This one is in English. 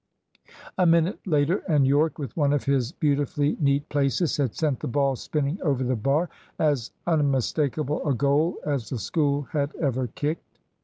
A minute later and Yorke, with one of his beautifully neat "places," had sent the ball spinning over the bar, as unmistakable a goal as the School had ever kicked.